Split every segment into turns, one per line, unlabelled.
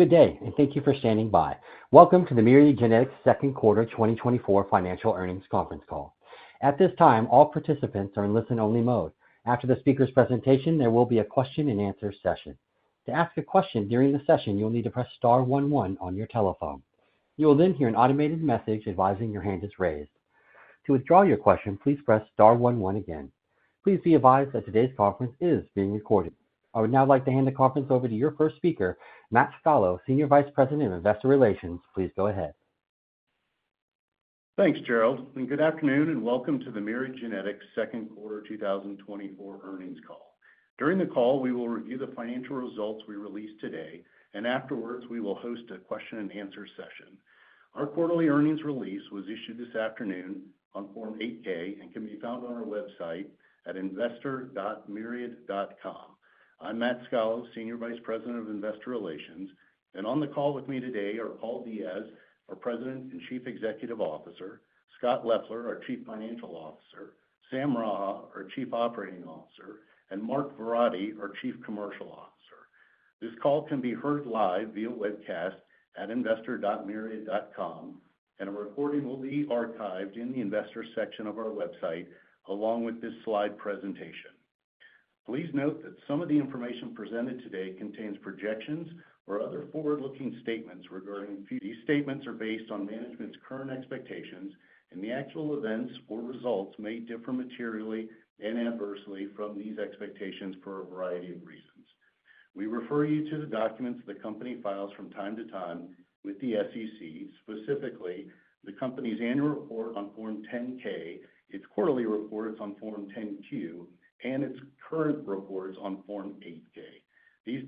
Good day, and thank you for standing by. Welcome to the Myriad Genetics Second Quarter 2024 Financial Earnings Conference Call. At this time, all participants are in listen-only mode. After the speaker's presentation, there will be a question-and-answer session. To ask a question during the session, you will need to press star one one on your telephone. You will then hear an automated message advising your hand is raised. To withdraw your question, please press star one one again. Please be advised that today's conference is being recorded. I would now like to hand the conference over to your first speaker, Matt Scalo, Senior Vice President of Investor Relations. Please go ahead.
Thanks, Gerald, and good afternoon and welcome to the Myriad Genetics Second Quarter 2024 earnings call. During the call, we will review the financial results we released today, and afterwards, we will host a question-and-answer session. Our quarterly earnings release was issued this afternoon on Form 8-K and can be found on our website at investor.myriad.com. I'm Matt Scalo, Senior Vice President of Investor Relations, and on the call with me today are Paul Diaz, our President and Chief Executive Officer, Scott Leffler, our Chief Financial Officer, Sam Raha, our Chief Operating Officer, and Mark Verratti, our Chief Commercial Officer. This call can be heard live via webcast at investor.myriad.com, and a recording will be archived in the investor section of our website, along with this slide presentation. Please note that some of the information presented today contains projections or other forward-looking statements regarding... These statements are based on management's current expectations, and the actual events or results may differ materially and adversely from these expectations for a variety of reasons. We refer you to the documents the company files from time to time with the SEC, specifically the company's annual report on Form 10-K, its quarterly reports on Form 10-Q, and its current reports on Form 8-K. These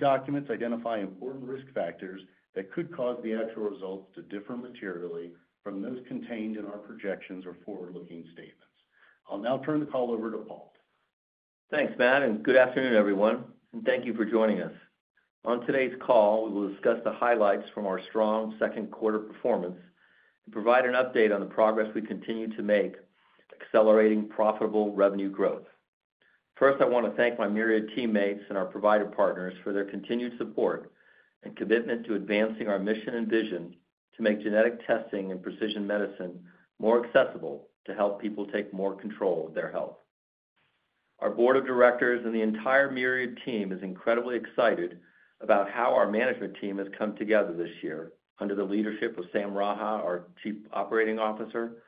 documents identify important risk factors that could cause the actual results to differ materially from those contained in our projections or forward-looking statements. I'll now turn the call over to Paul.
Thanks, Matt, and good afternoon, everyone, and thank you for joining us. On today's call, we will discuss the highlights from our strong second quarter performance and provide an update on the progress we continue to make, accelerating profitable revenue growth. First, I want to thank my Myriad teammates and our provider partners for their continued support and commitment to advancing our mission and vision to make genetic testing and precision medicine more accessible to help people take more control of their health. Our board of directors and the entire Myriad team is incredibly excited about how our management team has come together this year under the leadership of Sam Raha, our Chief Operating Officer,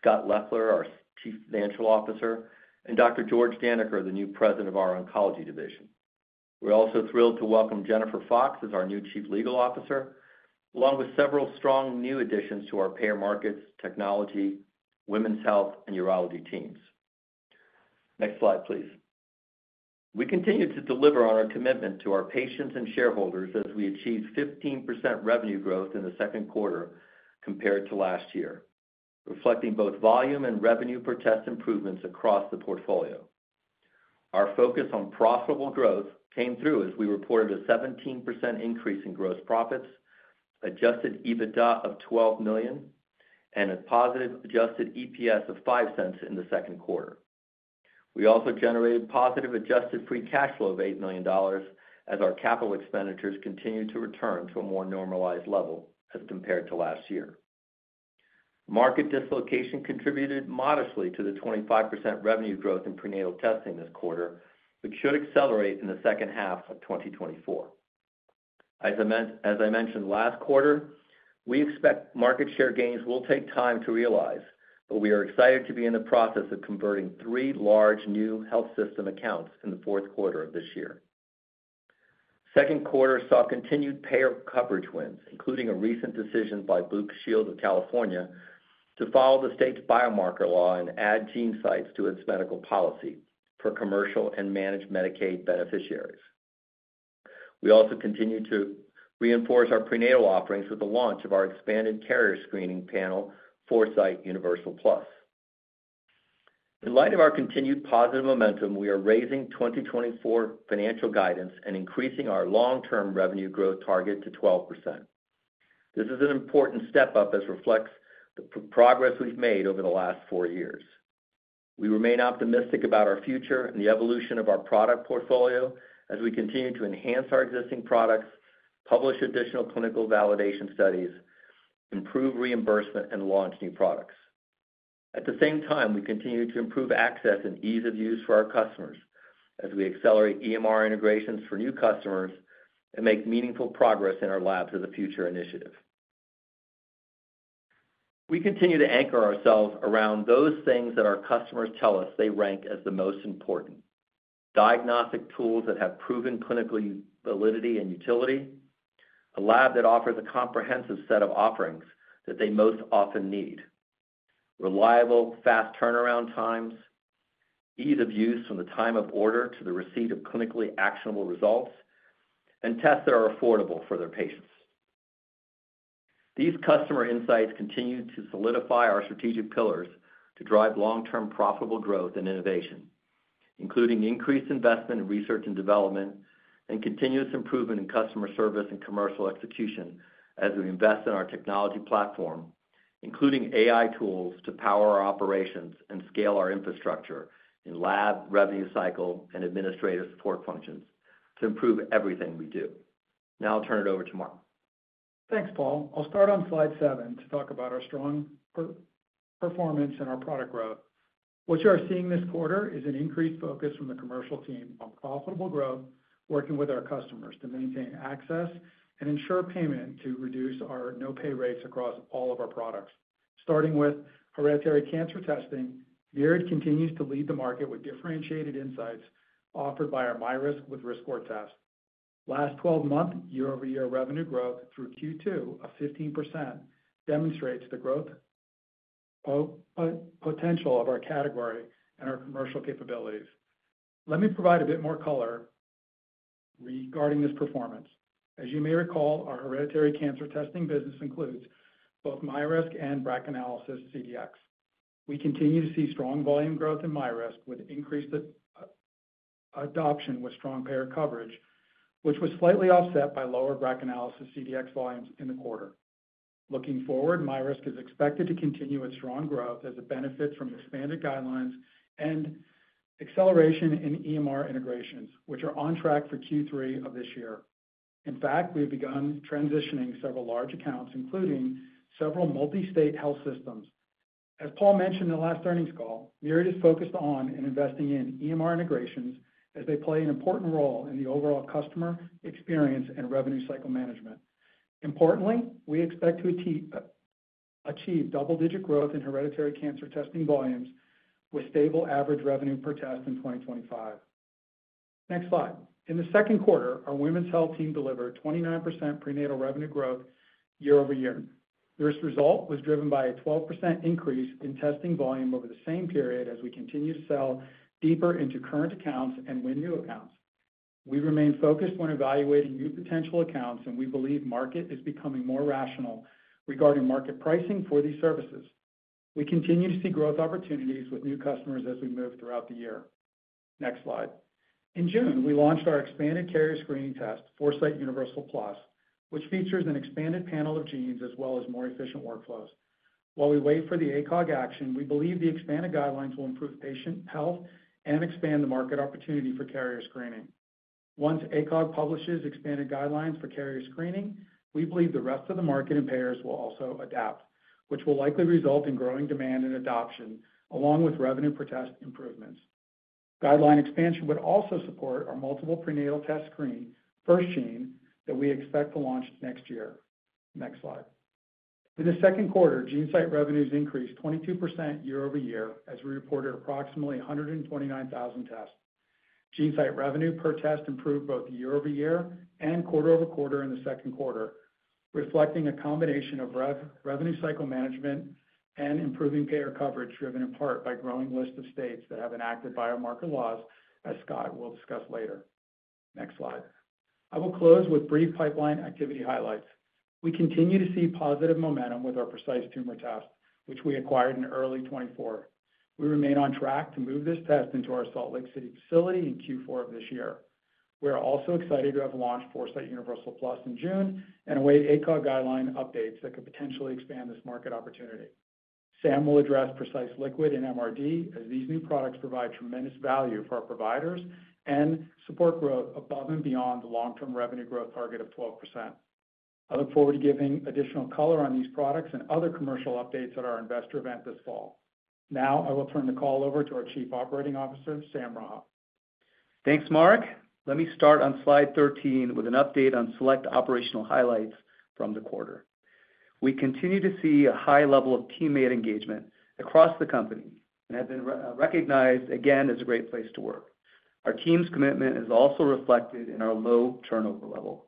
Scott Leffler, our Chief Financial Officer, and Dr. George Daneker, the new President of our Oncology division. We're also thrilled to welcome Jennifer Fox as our new Chief Legal Officer, along with several strong new additions to our payer markets, technology, women's health, and urology teams. Next slide, please. We continue to deliver on our commitment to our patients and shareholders as we achieve 15% revenue growth in the second quarter compared to last year, reflecting both volume and revenue per test improvements across the portfolio. Our focus on profitable growth came through as we reported a 17% increase in gross profits, adjusted EBITDA of $12 million, and a positive adjusted EPS of $0.05 in the second quarter. We also generated positive adjusted free cash flow of $8 million, as our capital expenditures continued to return to a more normalized level as compared to last year. Market dislocation contributed modestly to the 25% revenue growth in prenatal testing this quarter, which should accelerate in the second half of 2024. As I mentioned last quarter, we expect market share gains will take time to realize, but we are excited to be in the process of converting 3 large new health system accounts in the fourth quarter of this year. Second quarter saw continued payer coverage wins, including a recent decision by Blue Shield of California to follow the state's biomarker law and add GeneSight to its medical policy for commercial and managed Medicaid beneficiaries. We also continued to reinforce our prenatal offerings with the launch of our expanded carrier screening panel, Foresight Universal Plus. In light of our continued positive momentum, we are raising 2024 financial guidance and increasing our long-term revenue growth target to 12%. This is an important step up as reflects the progress we've made over the last four years. We remain optimistic about our future and the evolution of our product portfolio as we continue to enhance our existing products, publish additional clinical validation studies, improve reimbursement, and launch new products. At the same time, we continue to improve access and ease of use for our customers as we accelerate EMR integrations for new customers and make meaningful progress in our Labs of the Future initiative. We continue to anchor ourselves around those things that our customers tell us they rank as the most important: diagnostic tools that have proven clinical validity and utility, a lab that offers a comprehensive set of offerings that they most often need, reliable, fast turnaround times, ease of use from the time of order to the receipt of clinically actionable results, and tests that are affordable for their patients. These customer insights continue to solidify our strategic pillars to drive long-term profitable growth and innovation, including increased investment in research and development, and continuous improvement in customer service and commercial execution. as we invest in our technology platform, including AI tools to power our operations and scale our infrastructure in lab, revenue cycle, and administrative support functions to improve everything we do. Now I'll turn it over to Mark.
Thanks, Paul. I'll start on slide 7 to talk about our strong performance and our product growth. What you are seeing this quarter is an increased focus from the commercial team on profitable growth, working with our customers to maintain access and ensure payment to reduce our no-pay rates across all of our products. Starting with hereditary cancer testing, Myriad continues to lead the market with differentiated insights offered by our MyRisk with RiskScore test. Last 12-month, year-over-year revenue growth through Q2 of 15% demonstrates the growth, potential of our category and our commercial capabilities. Let me provide a bit more color regarding this performance. As you may recall, our hereditary cancer testing business includes both MyRisk and BRACAnalysis CDx. We continue to see strong volume growth in MyRisk, with increased adoption, with strong payer coverage, which was slightly offset by lower BRACAnalysis CDx volumes in the quarter. Looking forward, MyRisk is expected to continue its strong growth as it benefits from expanded guidelines and acceleration in EMR integrations, which are on track for Q3 of this year. In fact, we've begun transitioning several large accounts, including several multi-state health systems. As Paul mentioned in the last earnings call, Myriad is focused on and investing in EMR integrations as they play an important role in the overall customer experience and revenue cycle management. Importantly, we expect to achieve double-digit growth in hereditary cancer testing volumes with stable average revenue per test in 2025. Next slide. In the second quarter, our women's health team delivered 29% prenatal revenue growth year-over-year. This result was driven by a 12% increase in testing volume over the same period as we continue to sell deeper into current accounts and win new accounts. We remain focused on evaluating new potential accounts, and we believe market is becoming more rational regarding market pricing for these services. We continue to see growth opportunities with new customers as we move throughout the year. Next slide. In June, we launched our expanded carrier screening test, Foresight Universal Plus, which features an expanded panel of genes as well as more efficient workflows. While we wait for the ACOG action, we believe the expanded guidelines will improve patient health and expand the market opportunity for carrier screening. Once ACOG publishes expanded guidelines for carrier screening, we believe the rest of the market and payers will also adapt, which will likely result in growing demand and adoption, along with revenue per test improvements. Guideline expansion would also support our multiple prenatal test screen, FirstGene, that we expect to launch next year. Next slide. In the second quarter, GeneSight revenues increased 22% year-over-year as we reported approximately 129,000 tests. GeneSight revenue per test improved both year-over-year and quarter-over-quarter in the second quarter, reflecting a combination of revenue cycle management and improving payer coverage, driven in part by growing lists of states that have enacted biomarker laws, as Scott will discuss later. Next slide. I will close with brief pipeline activity highlights. We continue to see positive momentum with our Precise Tumor test, which we acquired in early 2024. We remain on track to move this test into our Salt Lake City facility in Q4 of this year. We are also excited to have launched Foresight Universal Plus in June and await ACOG guideline updates that could potentially expand this market opportunity. Sam will address Precise Liquid and MRD as these new products provide tremendous value for our providers and support growth above and beyond the long-term revenue growth target of 12%. I look forward to giving additional color on these products and other commercial updates at our investor event this fall. Now, I will turn the call over to our Chief Operating Officer, Sam Raha.
Thanks, Mark. Let me start on slide 13 with an update on select operational highlights from the quarter. We continue to see a high level of teammate engagement across the company and have been re-recognized again as a Great Place to Work. Our team's commitment is also reflected in our low turnover level.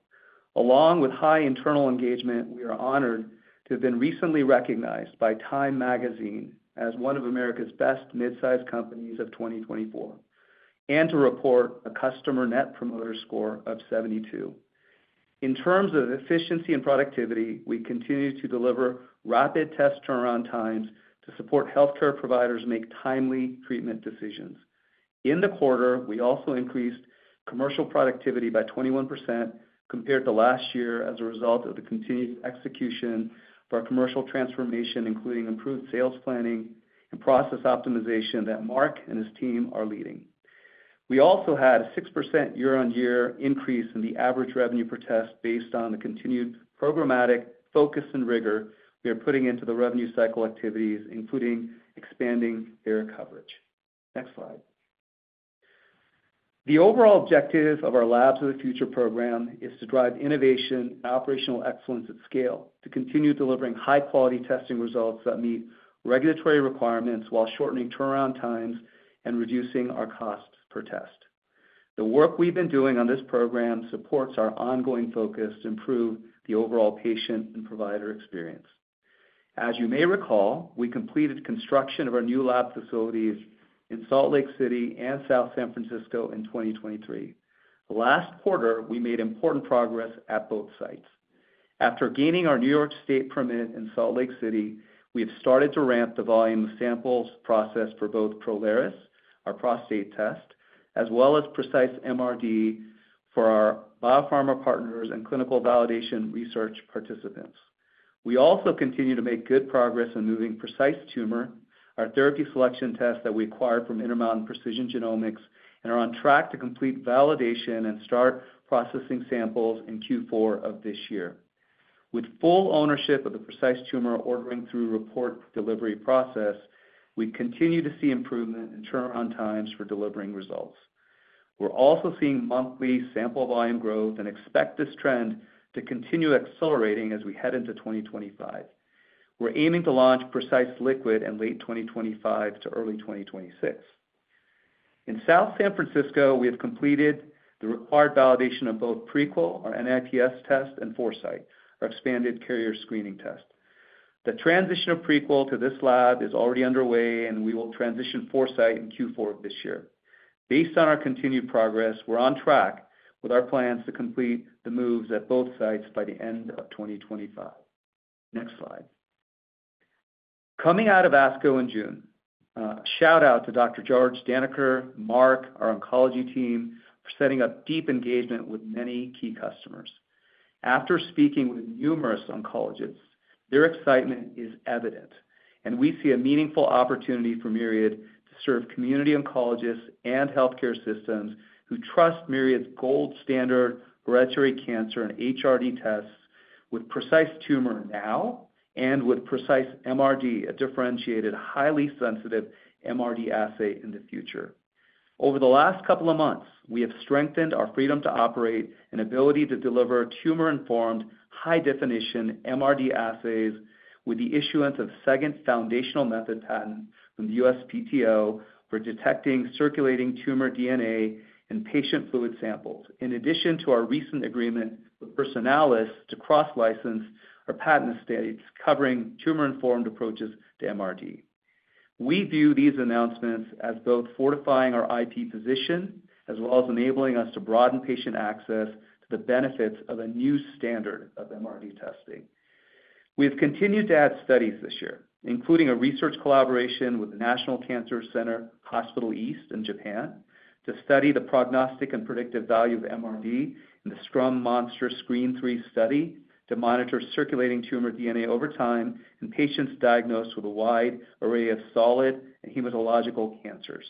Along with high internal engagement, we are honored to have been recently recognized by Time Magazine as one of America's best mid-sized companies of 2024, and to report a customer Net Promoter Score of 72. In terms of efficiency and productivity, we continue to deliver rapid test turnaround times to support healthcare providers make timely treatment decisions. In the quarter, we also increased commercial productivity by 21% compared to last year as a result of the continued execution of our commercial transformation, including improved sales planning and process optimization that Mark and his team are leading. We also had a 6% year-on-year increase in the average revenue per test based on the continued programmatic focus and rigor we are putting into the revenue cycle activities, including expanding payer coverage. Next slide. The overall objective of our Labs of the Future program is to drive innovation and operational excellence at scale, to continue delivering high-quality testing results that meet regulatory requirements while shortening turnaround times and reducing our costs per test. The work we've been doing on this program supports our ongoing focus to improve the overall patient and provider experience. As you may recall, we completed construction of our new lab facilities in Salt Lake City and South San Francisco in 2023. Last quarter, we made important progress at both sites. After gaining our New York State permit in Salt Lake City, we have started to ramp the volume of samples processed for both Prolaris, our prostate test, as well as Precise MRD for our biopharma partners and clinical validation research participants. We also continue to make good progress in moving Precise Tumor, our therapy selection test that we acquired from Intermountain Precision Genomics, and are on track to complete validation and start processing samples in Q4 of this year. With full ownership of the Precise Tumor ordering through report delivery process, we continue to see improvement in turnaround times for delivering results. We're also seeing monthly sample volume growth and expect this trend to continue accelerating as we head into 2025. We're aiming to launch Precise Liquid in late 2025 to early 2026. In South San Francisco, we have completed the required validation of both Prequel, our NIPS test, and Foresight, our expanded carrier screening test. The transition of Prequel to this lab is already underway, and we will transition Foresight in Q4 of this year. Based on our continued progress, we're on track with our plans to complete the moves at both sites by the end of 2025. Next slide. Coming out of ASCO in June, shout out to Dr. George Daneker, Mark, our oncology team, for setting up deep engagement with many key customers. After speaking with numerous oncologists, their excitement is evident, and we see a meaningful opportunity for Myriad to serve community oncologists and healthcare systems who trust Myriad's gold standard hereditary cancer and HRD tests with Precise Tumor now and with Precise MRD, a differentiated, highly sensitive MRD assay, in the future. Over the last couple of months, we have strengthened our freedom to operate and ability to deliver tumor-informed, high-definition MRD assays with the issuance of a second foundational method patent from the USPTO for detecting circulating tumor DNA in patient fluid samples, in addition to our recent agreement with Personalis to cross-license our patent estates covering tumor-informed approaches to MRD. We view these announcements as both fortifying our IP position, as well as enabling us to broaden patient access to the benefits of a new standard of MRD testing. We have continued to add studies this year, including a research collaboration with the National Cancer Center Hospital East in Japan, to study the prognostic and predictive value of MRD in the SCRUM-MONSTAR-SCREEN-2 study, to monitor circulating tumor DNA over time in patients diagnosed with a wide array of solid and hematological cancers.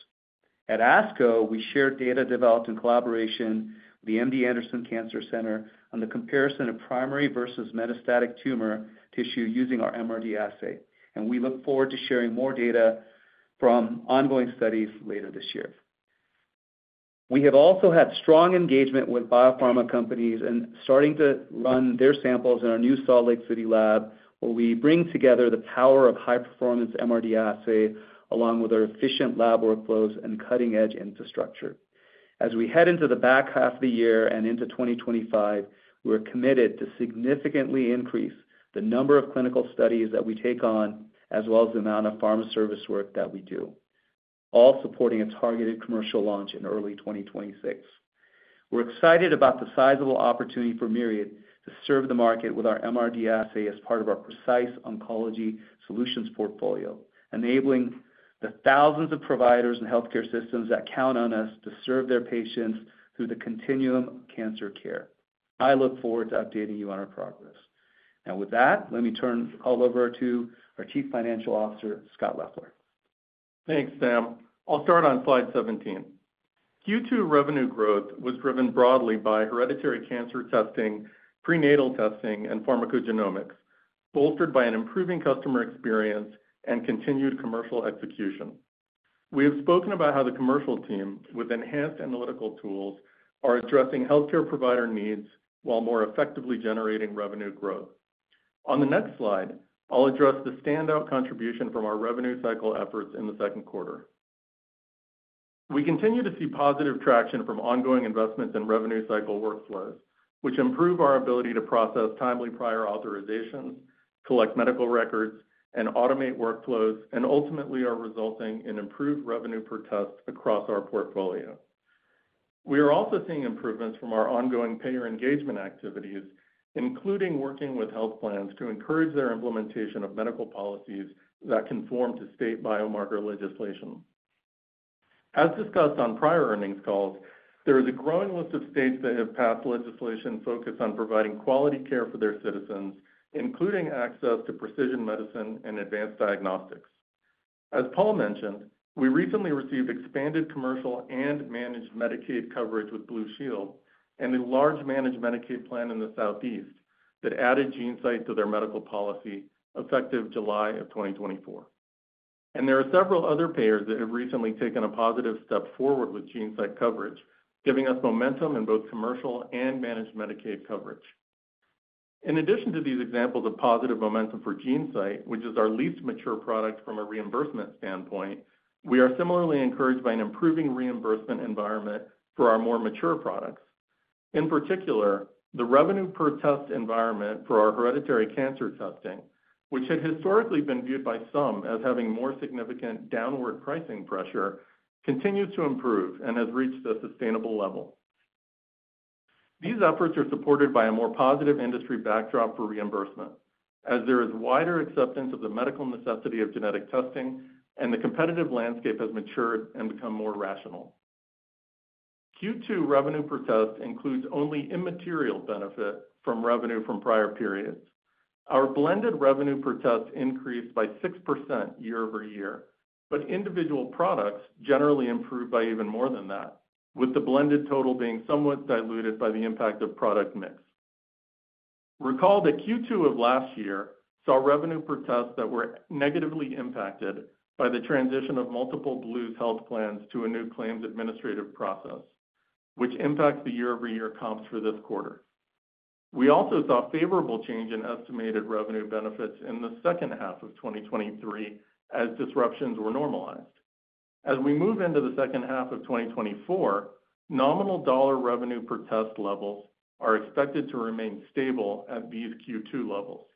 At ASCO, we shared data developed in collaboration with the MD Anderson Cancer Center on the comparison of primary versus metastatic tumor tissue using our MRD assay, and we look forward to sharing more data from ongoing studies later this year. We have also had strong engagement with biopharma companies and starting to run their samples in our new Salt Lake City lab, where we bring together the power of high-performance MRD assay, along with our efficient lab workflows and cutting-edge infrastructure. As we head into the back half of the year and into 2025, we're committed to significantly increase the number of clinical studies that we take on, as well as the amount of pharma service work that we do, all supporting a targeted commercial launch in early 2026. We're excited about the sizable opportunity for Myriad to serve the market with our MRD assay as part of our Precise Oncology Solutions portfolio, enabling the thousands of providers and healthcare systems that count on us to serve their patients through the continuum of cancer care. I look forward to updating you on our progress. Now, with that, let me turn the call over to our Chief Financial Officer, Scott Leffler.
Thanks, Sam. I'll start on slide 17. Q2 revenue growth was driven broadly by hereditary cancer testing, prenatal testing, and pharmacogenomics, bolstered by an improving customer experience and continued commercial execution. We have spoken about how the commercial team, with enhanced analytical tools, are addressing healthcare provider needs while more effectively generating revenue growth. On the next slide, I'll address the standout contribution from our revenue cycle efforts in the second quarter. We continue to see positive traction from ongoing investments in revenue cycle workflows, which improve our ability to process timely prior authorizations, collect medical records, and automate workflows, and ultimately are resulting in improved revenue per test across our portfolio. We are also seeing improvements from our ongoing payer engagement activities, including working with health plans to encourage their implementation of medical policies that conform to state biomarker legislation. As discussed on prior earnings calls, there is a growing list of states that have passed legislation focused on providing quality care for their citizens, including access to precision medicine and advanced diagnostics. As Paul mentioned, we recently received expanded commercial and managed Medicaid coverage with Blue Shield and a large managed Medicaid plan in the Southeast that added GeneSight to their medical policy, effective July of 2024. And there are several other payers that have recently taken a positive step forward with GeneSight coverage, giving us momentum in both commercial and managed Medicaid coverage. In addition to these examples of positive momentum for GeneSight, which is our least mature product from a reimbursement standpoint, we are similarly encouraged by an improving reimbursement environment for our more mature products. In particular, the revenue per test environment for our hereditary cancer testing, which had historically been viewed by some as having more significant downward pricing pressure, continues to improve and has reached a sustainable level. These efforts are supported by a more positive industry backdrop for reimbursement, as there is wider acceptance of the medical necessity of genetic testing and the competitive landscape has matured and become more rational. Q2 revenue per test includes only immaterial benefit from revenue from prior periods. Our blended revenue per test increased by 6% year-over-year, but individual products generally improved by even more than that, with the blended total being somewhat diluted by the impact of product mix. Recall that Q2 of last year saw revenue per tests that were negatively impacted by the transition of multiple Blues health plans to a new claims administrative process, which impacts the year-over-year comps for this quarter. We also saw favorable change in estimated revenue benefits in the second half of 2023 as disruptions were normalized. As we move into the second half of 2024, nominal dollar revenue per test levels are expected to remain stable at these Q2 levels,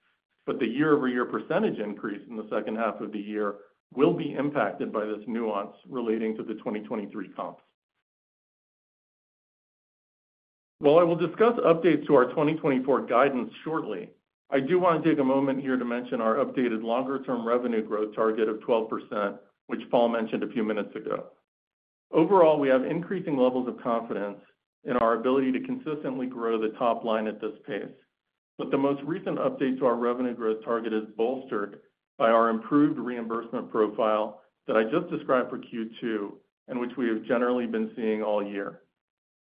but the year-over-year percentage increase in the second half of the year will be impacted by this nuance relating to the 2023 comps. While I will discuss updates to our 2024 guidance shortly, I do want to take a moment here to mention our updated longer-term revenue growth target of 12%, which Paul mentioned a few minutes ago. Overall, we have increasing levels of confidence in our ability to consistently grow the top line at this pace. But the most recent update to our revenue growth target is bolstered by our improved reimbursement profile that I just described for Q2, and which we have generally been seeing all year.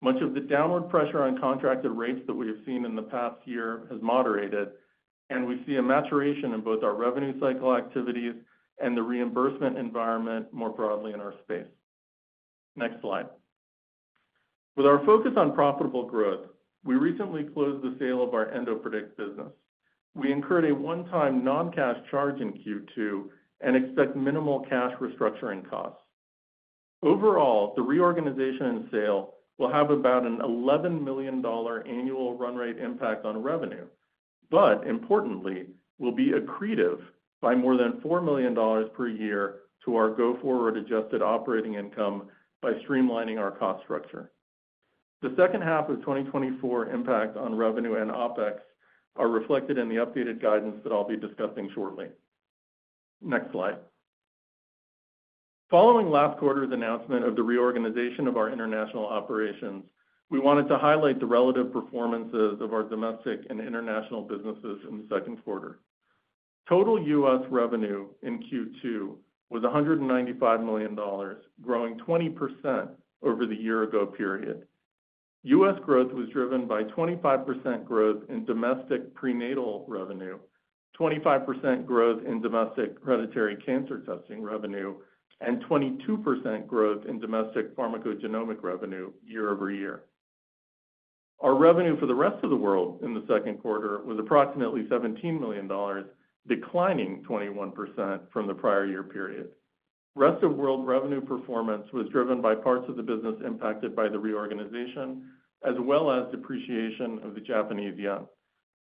Much of the downward pressure on contracted rates that we have seen in the past year has moderated, and we see a maturation in both our revenue cycle activities and the reimbursement environment more broadly in our space. Next slide. With our focus on profitable growth, we recently closed the sale of our EndoPredict business. We incurred a one-time non-cash charge in Q2 and expect minimal cash restructuring costs. Overall, the reorganization and sale will have about an $11 million annual run rate impact on revenue, but importantly, will be accretive by more than $4 million per year to our go-forward adjusted operating income by streamlining our cost structure. The second half of 2024 impact on revenue and OpEx are reflected in the updated guidance that I'll be discussing shortly. Next slide. Following last quarter's announcement of the reorganization of our international operations, we wanted to highlight the relative performances of our domestic and international businesses in the second quarter. Total US revenue in Q2 was $195 million, growing 20% over the year ago period. US growth was driven by 25% growth in domestic prenatal revenue, 25% growth in domestic hereditary cancer testing revenue, and 22% growth in domestic pharmacogenomic revenue year-over-year. Our revenue for the rest of the world in the second quarter was approximately $17 million, declining 21% from the prior year period. Rest of world revenue performance was driven by parts of the business impacted by the reorganization, as well as depreciation of the Japanese yen.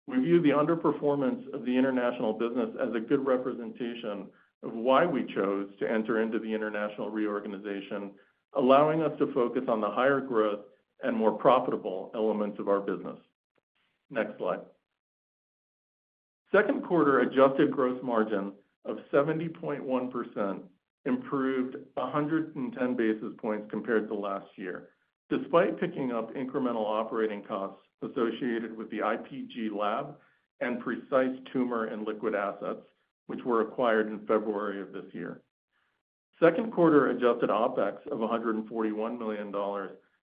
We view the underperformance of the international business as a good representation of why we chose to enter into the international reorganization, allowing us to focus on the higher growth and more profitable elements of our business. Next slide. Second quarter adjusted gross margin of 70.1% improved 110 basis points compared to last year, despite picking up incremental operating costs associated with the IPG lab and Precise Tumor and Precise Liquid assets, which were acquired in February of this year. Second quarter adjusted OpEx of $141 million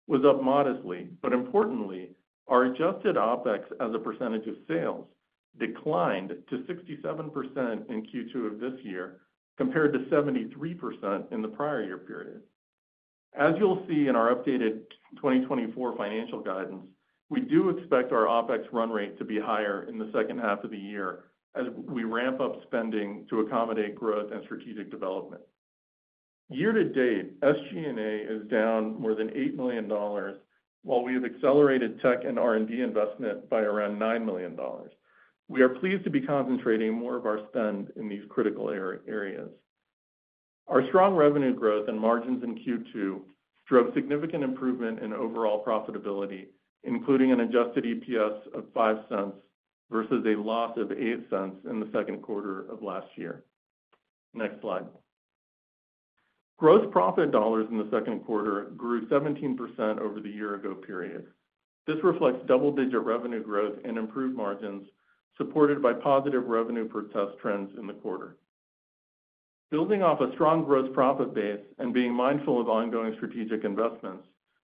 was up modestly, but importantly, our adjusted OpEx as a percentage of sales declined to 67% in Q2 of this year, compared to 73% in the prior year period. As you'll see in our updated 2024 financial guidance, we do expect our OpEx run rate to be higher in the second half of the year as we ramp up spending to accommodate growth and strategic development. Year to date, SG&A is down more than $8 million, while we have accelerated tech and R&D investment by around $9 million. We are pleased to be concentrating more of our spend in these critical areas. Our strong revenue growth and margins in Q2 drove significant improvement in overall profitability, including an adjusted EPS of $0.05 versus a loss of $0.08 in the second quarter of last year. Next slide. Gross profit dollars in the second quarter grew 17% over the year ago period. This reflects double-digit revenue growth and improved margins, supported by positive revenue per test trends in the quarter. Building off a strong gross profit base and being mindful of ongoing strategic investments,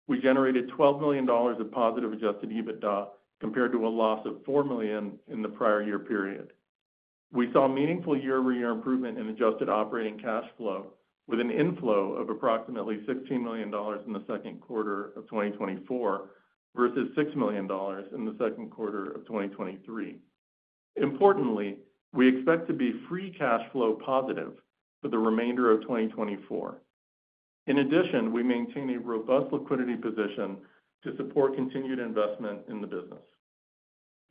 we generated $12 million of positive adjusted EBITDA, compared to a loss of $4 million in the prior year period. We saw meaningful year-over-year improvement in adjusted operating cash flow, with an inflow of approximately $16 million in the second quarter of 2024, versus $6 million in the second quarter of 2023. Importantly, we expect to be free cash flow positive for the remainder of 2024. In addition, we maintain a robust liquidity position to support continued investment in the business.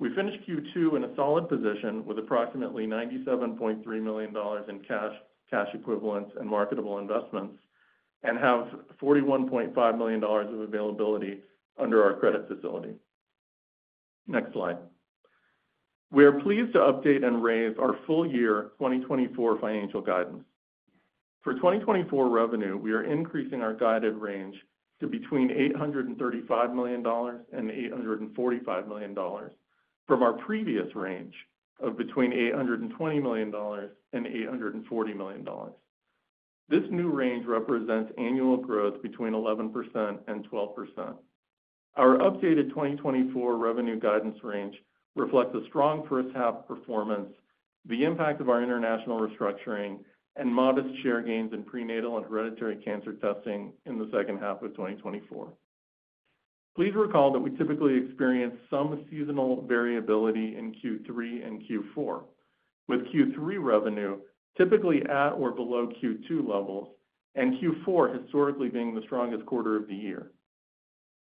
We finished Q2 in a solid position with approximately $97.3 million in cash, cash equivalents, and marketable investments, and have $41.5 million of availability under our credit facility. Next slide. We are pleased to update and raise our full-year 2024 financial guidance. For 2024 revenue, we are increasing our guided range to between $835 million and $840 million, from our previous range of between $820 million and $840 million. This new range represents annual growth between 11% and 12%. Our updated 2024 revenue guidance range reflects a strong first half performance, the impact of our international restructuring, and modest share gains in prenatal and hereditary cancer testing in the second half of 2024. Please recall that we typically experience some seasonal variability in Q3 and Q4, with Q3 revenue typically at or below Q2 levels, and Q4 historically being the strongest quarter of the year.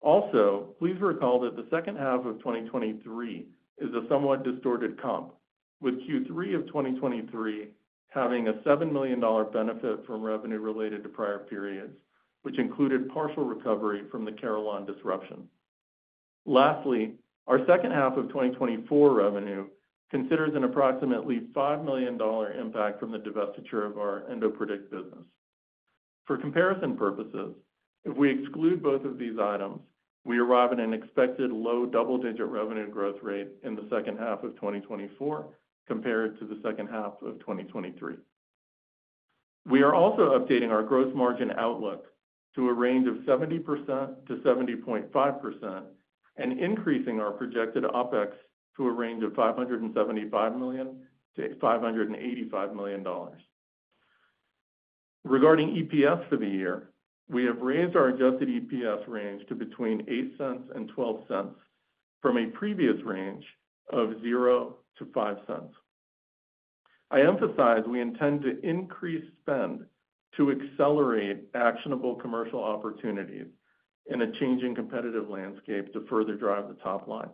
Also, please recall that the second half of 2023 is a somewhat distorted comp, with Q3 of 2023 having a $7 million benefit from revenue related to prior periods, which included partial recovery from the Carelon disruption. Lastly, our second half of 2024 revenue considers an approximately $5 million impact from the divestiture of our EndoPredict business. For comparison purposes, if we exclude both of these items, we arrive at an expected low double-digit revenue growth rate in the second half of 2024, compared to the second half of 2023. We are also updating our gross margin outlook to a range of 70%-70.5% and increasing our projected OpEx to a range of $575 million-$585 million. Regarding EPS for the year, we have raised our adjusted EPS range to between $0.08 and $0.12 from a previous range of $0.00-$0.05. I emphasize we intend to increase spend to accelerate actionable commercial opportunities in a changing competitive landscape to further drive the top line.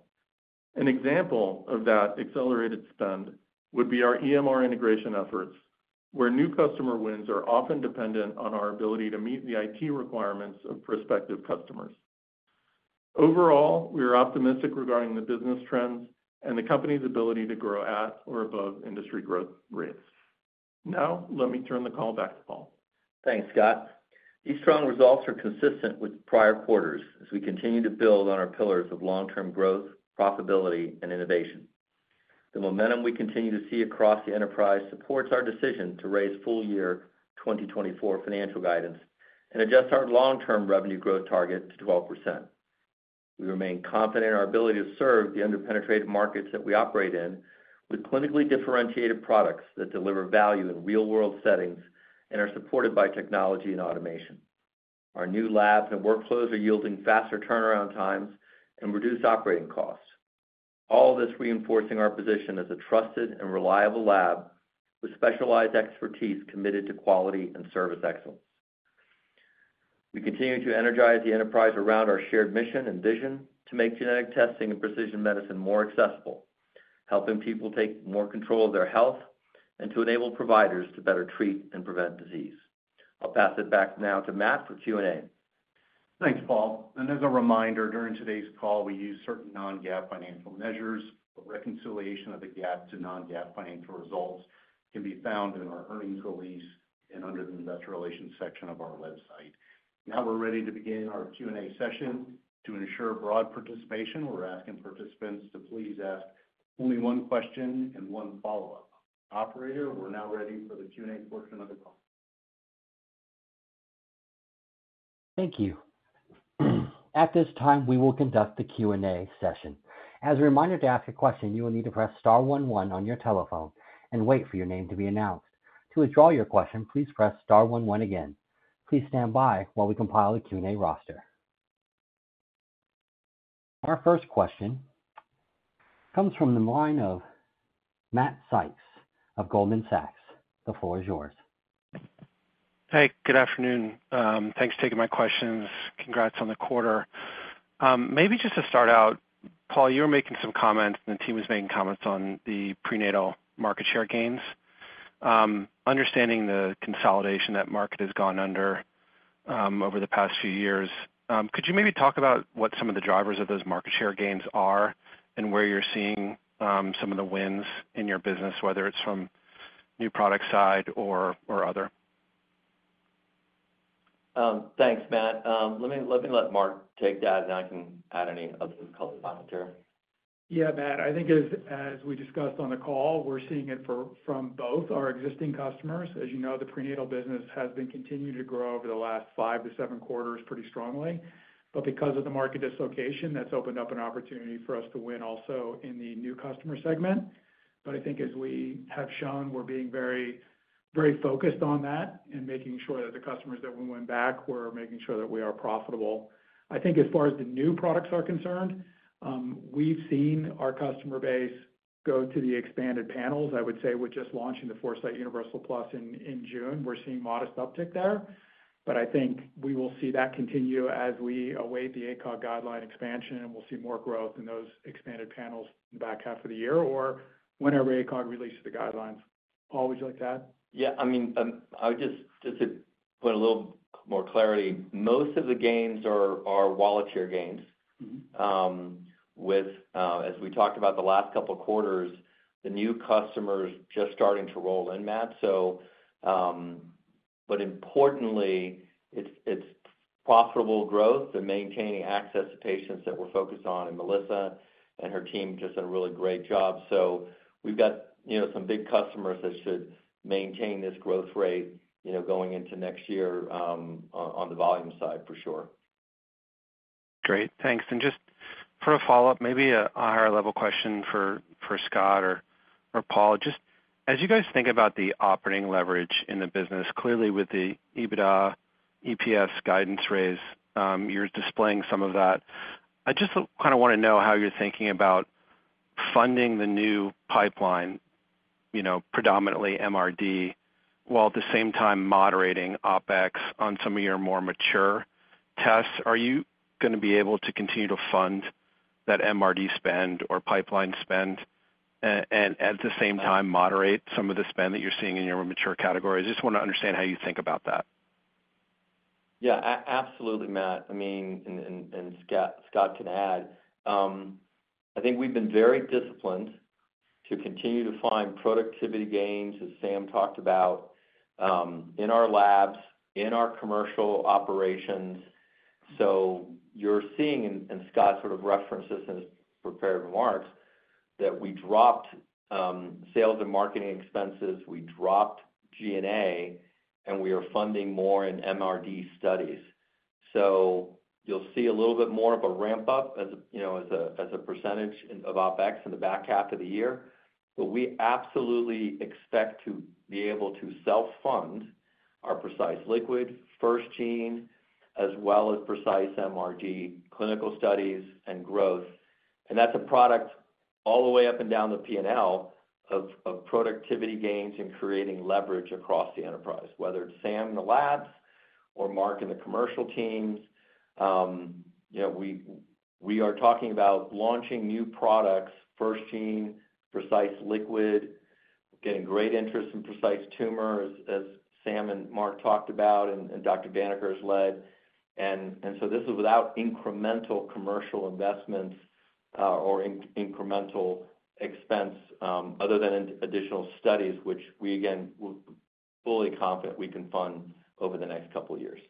An example of that accelerated spend would be our EMR integration efforts, where new customer wins are often dependent on our ability to meet the IT requirements of prospective customers. Overall, we are optimistic regarding the business trends and the company's ability to grow at or above industry growth rates. Now, let me turn the call back to Paul.
Thanks, Scott. These strong results are consistent with prior quarters as we continue to build on our pillars of long-term growth, profitability, and innovation. The momentum we continue to see across the enterprise supports our decision to raise full year 2024 financial guidance and adjust our long-term revenue growth target to 12%. We remain confident in our ability to serve the under-penetrated markets that we operate in, with clinically differentiated products that deliver value in real-world settings and are supported by technology and automation. Our new labs and workflows are yielding faster turnaround times and reduced operating costs. All this reinforcing our position as a trusted and reliable lab with specialized expertise committed to quality and service excellence. We continue to energize the enterprise around our shared mission and vision to make genetic testing and precision medicine more accessible, helping people take more control of their health and to enable providers to better treat and prevent disease. I'll pass it back now to Matt for Q&A.
Thanks, Paul. And as a reminder, during today's call, we use certain non-GAAP financial measures. A reconciliation of the GAAP to non-GAAP financial results can be found in our earnings release and under the Investor Relations section of our website. Now we're ready to begin our Q&A session. To ensure broad participation, we're asking participants to please ask only one question and one follow-up. Operator, we're now ready for the Q&A portion of the call.
Thank you. At this time, we will conduct the Q&A session. As a reminder, to ask a question, you will need to press star one one on your telephone and wait for your name to be announced. To withdraw your question, please press star one one again. Please stand by while we compile the Q&A roster. Our first question comes from the line of Matt Sykes of Goldman Sachs. The floor is yours.
Hey, good afternoon. Thanks for taking my questions. Congrats on the quarter. Maybe just to start out, Paul, you were making some comments, and the team was making comments on the prenatal market share gains. Understanding the consolidation that market has gone under, over the past few years, could you maybe talk about what some of the drivers of those market share gains are and where you're seeing some of the wins in your business, whether it's from new product side or, or other?
Thanks, Matt. Let me let Mark take that, and I can add any other color after.
Yeah, Matt, I think as we discussed on the call, we're seeing it from both our existing customers. As you know, the prenatal business has been continuing to grow over the last 5-7 quarters pretty strongly, but because of the market dislocation, that's opened up an opportunity for us to win also in the new customer segment. But I think as we have shown, we're being very, very focused on that and making sure that the customers that we win back, we're making sure that we are profitable. I think as far as the new products are concerned, we've seen our customer base go to the expanded panels. I would say with just launching the Foresight Universal Plus in June, we're seeing modest uptick there. But I think we will see that continue as we await the ACOG guideline expansion, and we'll see more growth in those expanded panels in the back half of the year or whenever ACOG releases the guidelines. Paul, would you like to add?
Yeah, I mean, I would just to put a little more clarity, most of the gains are volunteer gains. With as we talked about the last couple of quarters, the new customers just starting to roll in, Matt. So, but importantly, it's profitable growth and maintaining access to patients that we're focused on, and Melissa and her team just done a really great job. So we've got, you know, some big customers that should maintain this growth rate, you know, going into next year, on the volume side, for sure.
Great, thanks. And just for a follow-up, maybe a higher-level question for Scott or Paul. Just as you guys think about the operating leverage in the business, clearly with the EBITDA, EPS guidance raise, you're displaying some of that. I just kind of want to know how you're thinking about funding the new pipeline, you know, predominantly MRD, while at the same time moderating OpEx on some of your more mature tests. Are you going to be able to continue to fund that MRD spend or pipeline spend, and at the same time, moderate some of the spend that you're seeing in your mature category? I just want to understand how you think about that.
Yeah, absolutely, Matt. I mean, and Scott can add. I think we've been very disciplined to continue to find productivity gains, as Sam talked about, in our labs, in our commercial operations. So you're seeing, and Scott sort of referenced this in his prepared remarks, that we dropped sales and marketing expenses, we dropped G&A, and we are funding more in MRD studies. So you'll see a little bit more of a ramp-up as, you know, as a percentage of OpEx in the back half of the year. But we absolutely expect to be able to self-fund our Precise Liquid, FirstGene, as well as Precise MRD clinical studies and growth. That's a product all the way up and down the P&L of productivity gains and creating leverage across the enterprise, whether it's Sam in the labs or Mark in the commercial teams. You know, we are talking about launching new products, FirstGene, Precise Liquid, getting great interest in Precise Tumor, as Sam and Mark talked about and Dr. Daneker has led. So this is without incremental commercial investments, or incremental expense, other than additional studies, which we again we're fully confident we can fund over the next couple of years.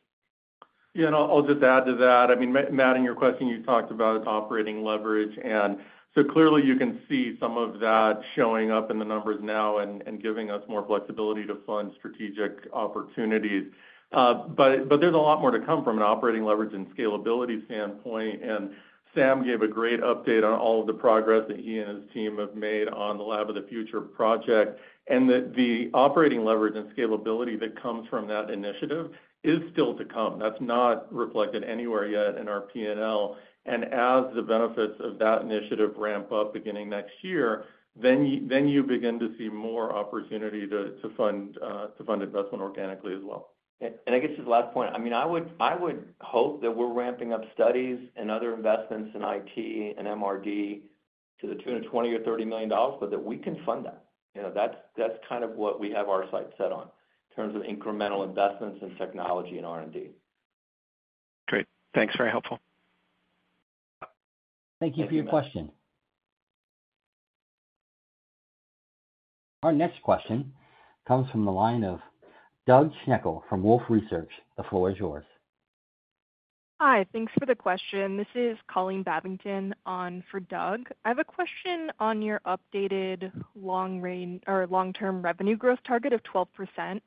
Yeah, and I'll just add to that. I mean, Matt, in your question, you talked about operating leverage, and so clearly, you can see some of that showing up in the numbers now and giving us more flexibility to fund strategic opportunities. But there's a lot more to come from an operating leverage and scalability standpoint. And Sam gave a great update on all of the progress that he and his team have made on the Lab of the Future project, and that the operating leverage and scalability that comes from that initiative is still to come. That's not reflected anywhere yet in our P&L. And as the benefits of that initiative ramp up beginning next year, then you begin to see more opportunity to fund investment organically as well.
I guess just the last point, I mean, I would, I would hope that we're ramping up studies and other investments in IT and MRD to the tune of $20 million or $30 million, but that we can fund that. You know, that's, that's kind of what we have our sights set on in terms of incremental investments in technology and R&D.
Great. Thanks. Very helpful.
Thank you for your question. Our next question comes from the line of Doug Schenkel from Wolfe Research. The floor is yours.
Hi, thanks for the question. This is Colleen Babbington on for Doug. I have a question on your updated long-term revenue growth target of 12%.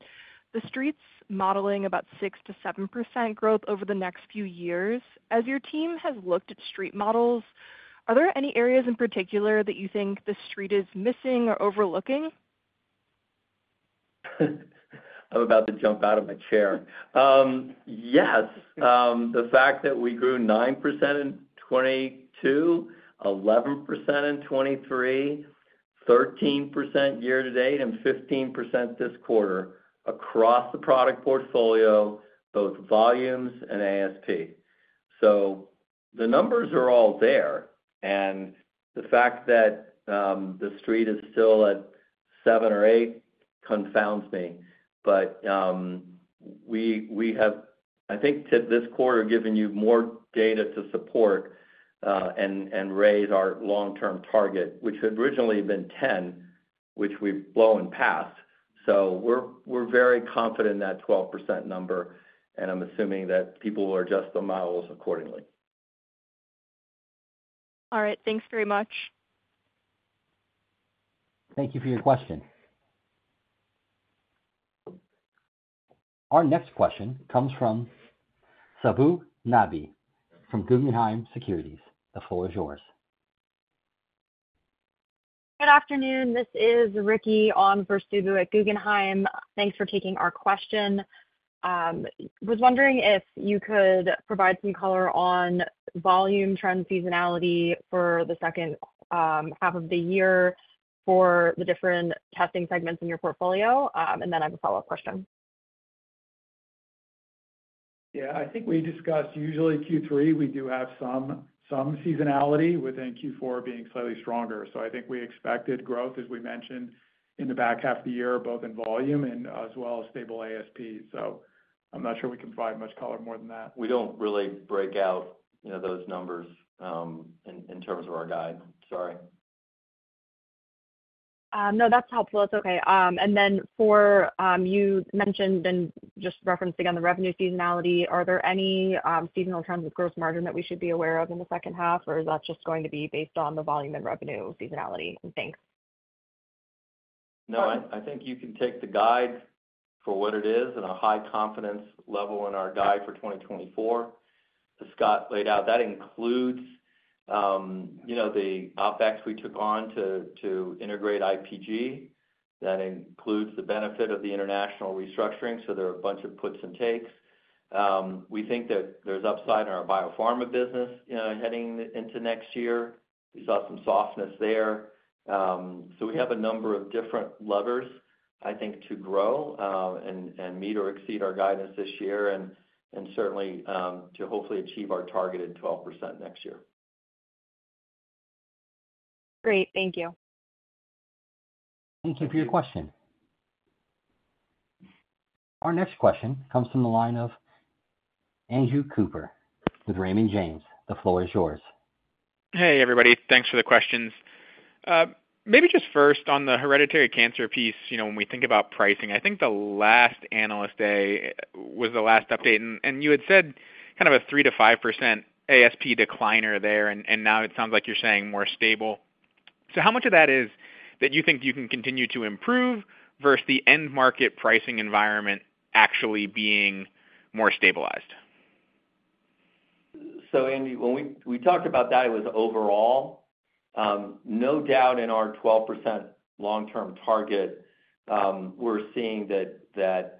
The Street's modeling about 6%-7% growth over the next few years. As your team has looked at Street models, are there any areas in particular that you think the Street is missing or overlooking?
I'm about to jump out of my chair. Yes, the fact that we grew 9% in 2022, 11% in 2023, 13% year to date, and 15% this quarter across the product portfolio, both volumes and ASP. So the numbers are all there, and the fact that the Street is still at 7 or 8 confounds me. But we have, I think, to this quarter, given you more data to support and raise our long-term target, which had originally been 10, which we've blown past. So we're very confident in that 12% number, and I'm assuming that people will adjust the models accordingly.
All right. Thanks very much.
Thank you for your question. Our next question comes from Subbu Nambiar from Guggenheim Securities. The floor is yours.
Good afternoon. This is Ricky on for Subbu at Guggenheim. Thanks for taking our question. Was wondering if you could provide some color on volume trend seasonality for the second half of the year for the different testing segments in your portfolio, and then I have a follow-up question.
Yeah, I think we discussed usually Q3, we do have some seasonality within Q4 being slightly stronger. So I think we expected growth, as we mentioned, in the back half of the year, both in volume and as well as stable ASPs. So I'm not sure we can provide much color more than that.
We don't really break out, you know, those numbers, in terms of our guide. Sorry.
No, that's helpful. It's okay. And then for, you mentioned and just referencing on the revenue seasonality, are there any, seasonal trends with growth margin that we should be aware of in the second half, or is that just going to be based on the volume and revenue seasonality? Thanks.
No, I think you can take the guide for what it is and a high confidence level in our guide for 2024, as Scott laid out. That includes, you know, the OpEx we took on to integrate IPG. That includes the benefit of the international restructuring, so there are a bunch of puts and takes. We think that there's upside in our biopharma business, you know, heading into next year. We saw some softness there. So we have a number of different levers, I think, to grow, and meet or exceed our guidance this year, and certainly to hopefully achieve our targeted 12% next year.
Great. Thank you.
Thank you for your question. Our next question comes from the line of Andrew Cooper with Raymond James. The floor is yours.
Hey, everybody. Thanks for the questions. Maybe just first on the hereditary cancer piece, you know, when we think about pricing, I think the last Analyst Day was the last update, and, and you had said kind of a 3%-5% ASP decliner there, and, and now it sounds like you're saying more stable. So how much of that is that you think you can continue to improve versus the end market pricing environment actually being more stabilized?
So Andy, when we talked about that, it was overall. No doubt in our 12% long-term target, we're seeing that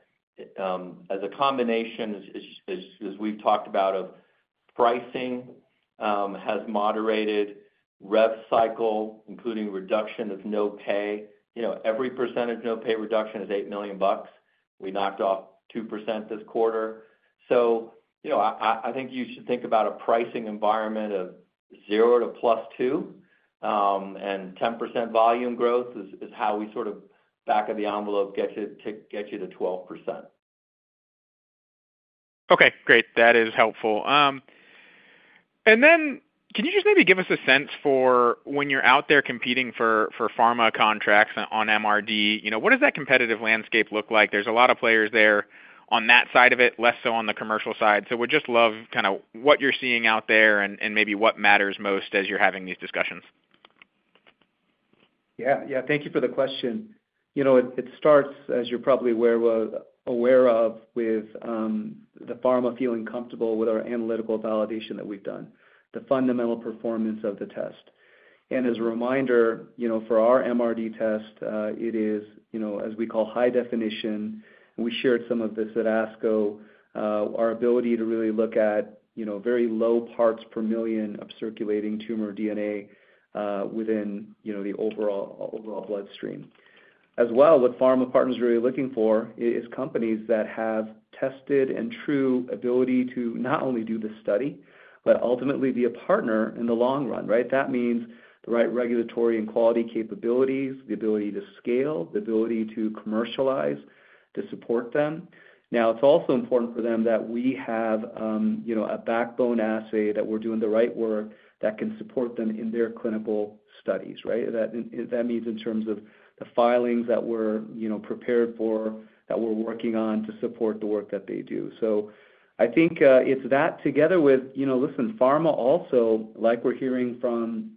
as a combination, as we've talked about, of pricing has moderated rev cycle, including reduction of no pay. You know, every percentage no pay reduction is $8 million. We knocked off 2% this quarter. So, you know, I think you should think about a pricing environment of 0% to +2%, and 10% volume growth is how we sort of back of the envelope get you to 12%.
Okay, great. That is helpful. And then can you just maybe give us a sense for when you're out there competing for pharma contracts on MRD, you know, what does that competitive landscape look like? There's a lot of players there on that side of it, less so on the commercial side. So would just love kind of what you're seeing out there and maybe what matters most as you're having these discussions.
Yeah, yeah. Thank you for the question. You know, it starts, as you're probably aware, well, aware of with, the pharma feeling comfortable with our analytical validation that we've done, the fundamental performance of the test. And as a reminder, you know, for our MRD test, it is, you know, as we call high definition, and we shared some of this at ASCO, our ability to really look at, you know, very low parts per million of circulating tumor DNA, within, you know, the overall bloodstream. As well, what pharma partners are really looking for is companies that have tested and true ability to not only do the study, but ultimately be a partner in the long run, right? That means the right regulatory and quality capabilities, the ability to scale, the ability to commercialize, to support them. Now, it's also important for them that we have, you know, a backbone assay, that we're doing the right work that can support them in their clinical studies, right? That means in terms of the filings that we're, you know, prepared for, that we're working on to support the work that they do. So I think, it's that together with, you know, listen, pharma also, like we're hearing from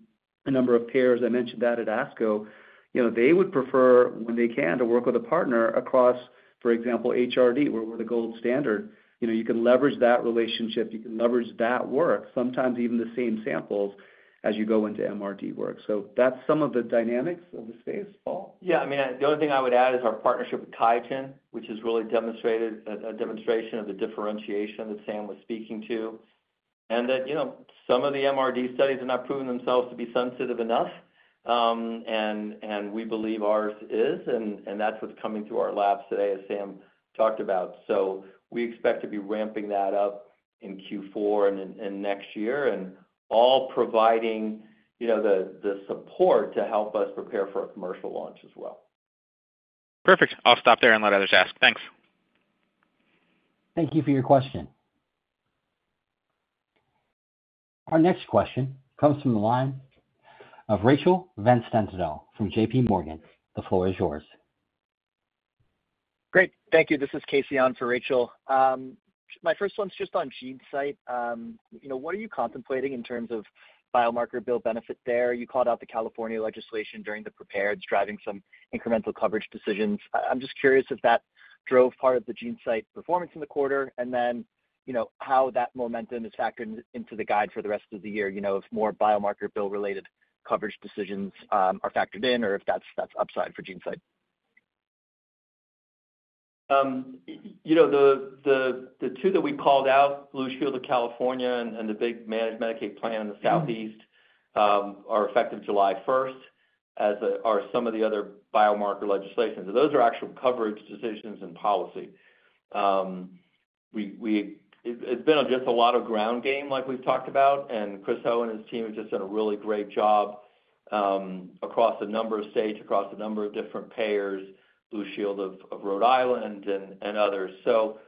a number of payers, I mentioned that at ASCO, you know, they would prefer, when they can, to work with a partner across, for example, HRD, where we're the gold standard. You know, you can leverage that relationship, you can leverage that work, sometimes even the same samples, as you go into MRD work. So that's some of the dynamics of the space. Paul?
Yeah, I mean, the only thing I would add is our partnership with QIAGEN, which has really demonstrated a demonstration of the differentiation that Sam was speaking to. And that, you know, some of the MRD studies have not proven themselves to be sensitive enough, and we believe ours is, and that's what's coming through our labs today, as Sam talked about. So we expect to be ramping that up in Q4 and in next year, and all providing, you know, the support to help us prepare for a commercial launch as well.
Perfect. I'll stop there and let others ask. Thanks.
Thank you for your question. Our next question comes from the line of Rachel Vatnsdal from J.P. Morgan. The floor is yours.
Great. Thank you. This is Casey on for Rachel. My first one's just on GeneSight. You know, what are you contemplating in terms of biomarker bill benefit there? You called out the California legislation during the prepareds, driving some incremental coverage decisions. I'm just curious if that drove part of the GeneSight performance in the quarter, and then, you know, how that momentum is factored into the guide for the rest of the year, you know, if more biomarker bill-related coverage decisions are factored in or if that's, that's upside for GeneSight.
You know, the two that we called out, Blue Shield of California and the big managed Medicaid plan in the Southeast, are effective July 1st, as are some of the other biomarker legislations. So those are actual coverage decisions and policy. It’s been just a lot of ground game like we’ve talked about, and Chris Ho and his team have just done a really great job across a number of states, across a number of different payers, Blue Shield of Rhode Island and others. So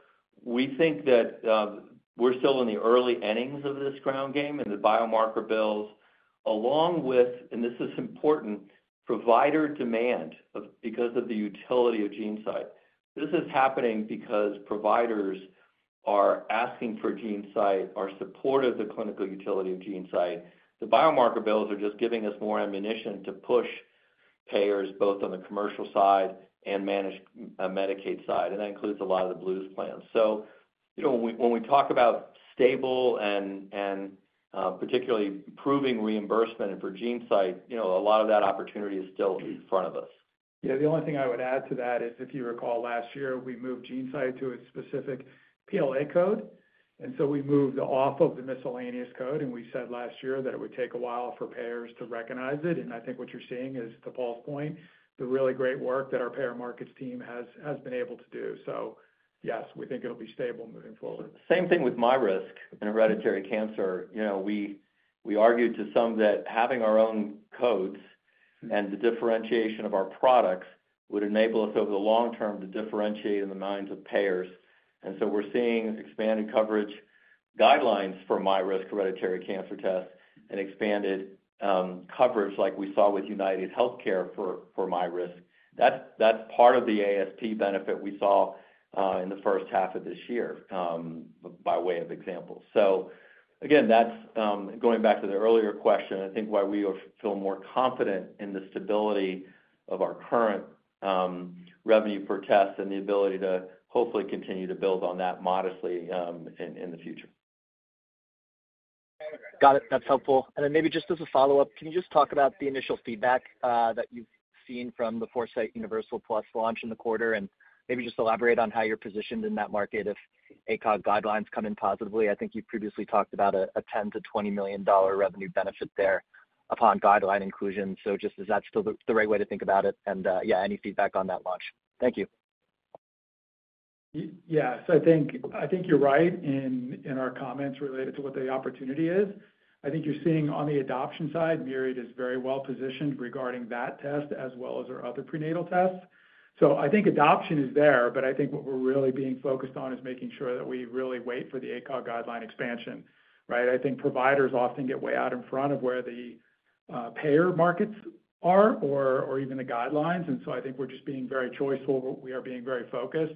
we think that we’re still in the early innings of this ground game and the biomarker bills, along with, and this is important, provider demand, of because of the utility of GeneSight. This is happening because providers are asking for GeneSight, are supportive of the clinical utility of GeneSight. The biomarker bills are just giving us more ammunition to push payers, both on the commercial side and managed Medicaid side, and that includes a lot of the Blues plans. So, you know, when we talk about stable and particularly improving reimbursement for GeneSight, you know, a lot of that opportunity is still in front of us.
Yeah, the only thing I would add to that is, if you recall, last year, we moved GeneSight to a specific PLA code, and so we moved off of the miscellaneous code, and we said last year that it would take a while for payers to recognize it. And I think what you're seeing is, to Paul's point, the really great work that our payer markets team has been able to do. So yes, we think it'll be stable moving forward.
Same thing with MyRisk in hereditary cancer. You know, we argued to some that having our own codes and the differentiation of our products would enable us, over the long term, to differentiate in the minds of payers. And so we're seeing expanded coverage guidelines for MyRisk hereditary cancer tests and expanded coverage like we saw with UnitedHealthcare for MyRisk. That's part of the AST benefit we saw in the first half of this year, by way of example. So again, that's going back to the earlier question, I think why we feel more confident in the stability of our current revenue per test and the ability to hopefully continue to build on that modestly, in the future.
Got it. That's helpful. And then maybe just as a follow-up, can you just talk about the initial feedback that you've seen from the Foresight Universal Plus launch in the quarter? And maybe just elaborate on how you're positioned in that market if ACOG guidelines come in positively. I think you've previously talked about a $10-$20 million revenue benefit there upon guideline inclusion. So just, is that still the right way to think about it? And, yeah, any feedback on that launch? Thank you.
Yes, I think, I think you're right in, in our comments related to what the opportunity is. I think you're seeing on the adoption side, Myriad is very well positioned regarding that test as well as our other prenatal tests. So I think adoption is there, but I think what we're really being focused on is making sure that we really wait for the ACOG guideline expansion, right? I think providers often get way out in front of where the payer markets are or, or even the guidelines. And so I think we're just being very choiceful, but we are being very focused.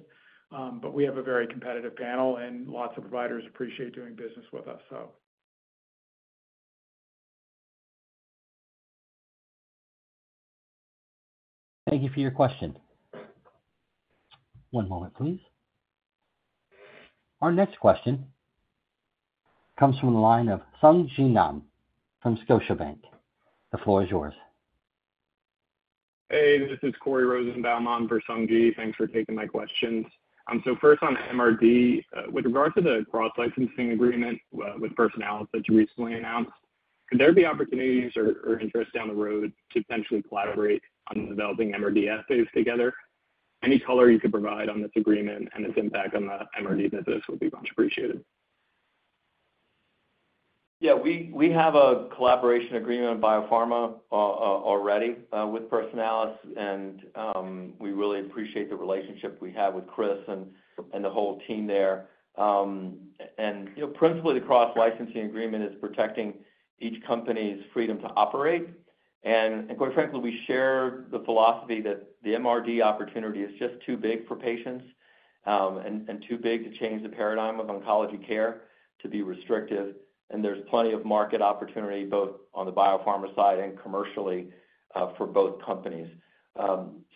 But we have a very competitive panel, and lots of providers appreciate doing business with us, so.
Thank you for your question. One moment, please. Our next question comes from the line of Sung Ji Nam from Scotiabank. The floor is yours.
Hey, this is Corey Rosenbaum on for Sung Ji. Thanks for taking my questions. So first on MRD, with regard to the cross-licensing agreement with Personalis that you recently announced, could there be opportunities or, or interest down the road to potentially collaborate on developing MRD assays together? Any color you could provide on this agreement and its impact on the MRD business would be much appreciated.
Yeah, we have a collaboration agreement on biopharma already with Personalis, and we really appreciate the relationship we have with Chris and the whole team there. And you know, principally, the cross-licensing agreement is protecting each company's freedom to operate. And quite frankly, we share the philosophy that the MRD opportunity is just too big for patients and too big to change the paradigm of oncology care to be restrictive. And there's plenty of market opportunity, both on the biopharma side and commercially for both companies.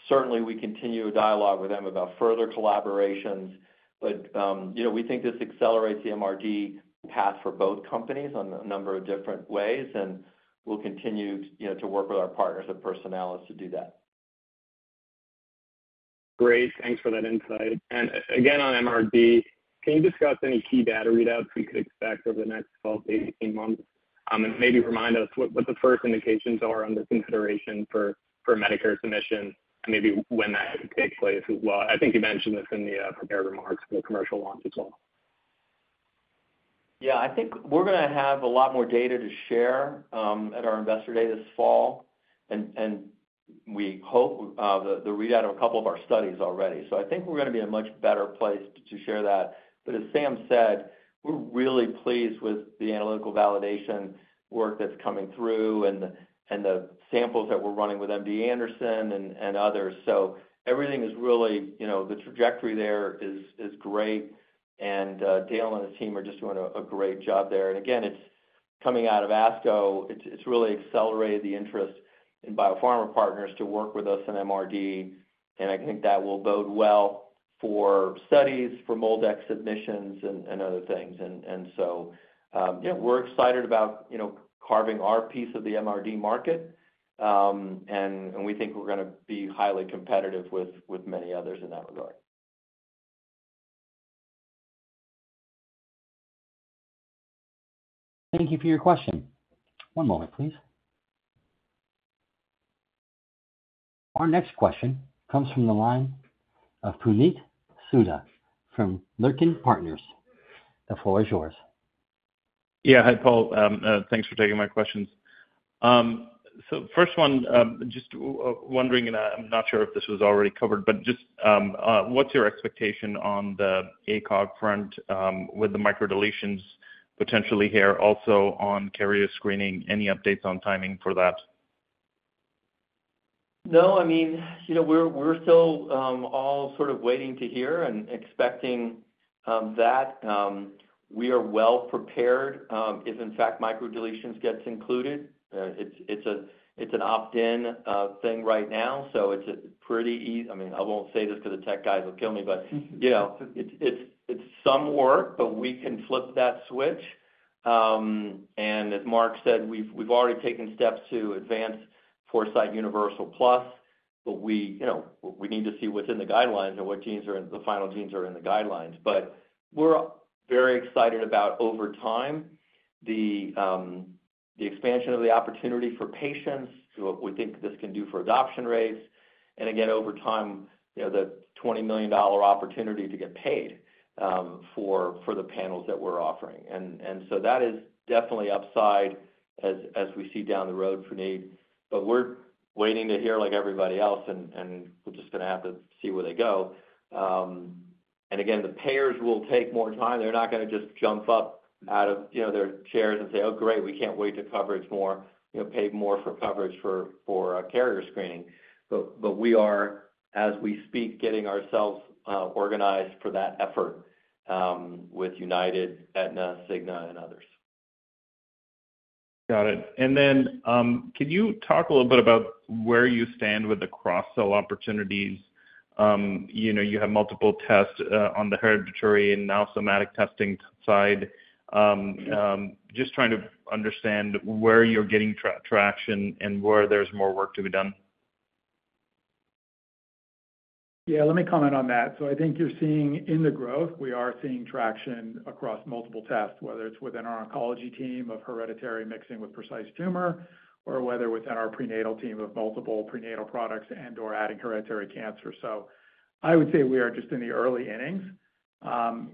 Certainly, we continue a dialogue with them about further collaborations, but you know, we think this accelerates the MRD path for both companies on a number of different ways, and we'll continue to you know, to work with our partners at Personalis to do that.
Great. Thanks for that insight. And again, on MRD, can you discuss any key data readouts we could expect over the next 12-18 months? And maybe remind us what the first indications are under consideration for, for Medicare submission and maybe when that takes place as well. I think you mentioned this in the prepared remarks for the commercial launch as well.
Yeah, I think we're gonna have a lot more data to share at our Investor Day this fall. And we hope the readout of a couple of our studies already. So I think we're gonna be in a much better place to share that. But as Sam said, we're really pleased with the analytical validation work that's coming through and the samples that we're running with MD Anderson and others. So everything is really... You know, the trajectory there is great, and Dale and his team are just doing a great job there. And again, it's coming out of ASCO. It's really accelerated the interest in biopharma partners to work with us in MRD, and I think that will bode well for studies, for MolDX submissions and other things. And so, yeah, we're excited about, you know, carving our piece of the MRD market, and we think we're gonna be highly competitive with many others in that regard.
Thank you for your question. One moment, please. Our next question comes from the line of Puneet Souda from Leerink Partners. The floor is yours.
Yeah. Hi, Paul. Thanks for taking my questions. So first one, just wondering, and I'm not sure if this was already covered, but just what's your expectation on the ACOG front, with the microdeletions potentially here, also on carrier screening? Any updates on timing for that?
No, I mean, you know, we're still all sort of waiting to hear and expecting that. We are well prepared if in fact microdeletions gets included. It's an opt-in thing right now, so it's pretty easy. I mean, I won't say this because the tech guys will kill me, but, you know, it's some work, but we can flip that switch. And as Mark said, we've already taken steps to advance Foresight Universal Plus, but you know, we need to see what's in the guidelines and what genes are in the final guidelines. But we're very excited about, over time, the expansion of the opportunity for patients, so what we think this can do for adoption rates, and again, over time, you know, the $20 million opportunity to get paid for the panels that we're offering. And so that is definitely upside as we see down the road, Puneet. But we're waiting to hear like everybody else, and we're just going to have to see where they go. And again, the payers will take more time. They're not going to just jump up out of, you know, their chairs and say, "Oh, great, we can't wait to cover more," you know, pay more for coverage for carrier screening. But we are, as we speak, getting ourselves organized for that effort with United, Aetna, Cigna, and others.
Got it. And then, can you talk a little bit about where you stand with the cross-sell opportunities? You know, you have multiple tests on the hereditary and now somatic testing side. Just trying to understand where you're getting traction and where there's more work to be done.
Yeah, let me comment on that. So I think you're seeing, in the growth, we are seeing traction across multiple tests, whether it's within our oncology team of hereditary mixing with Precise Tumor, or whether within our prenatal team of multiple prenatal products and/or adding hereditary cancer. So I would say we are just in the early innings.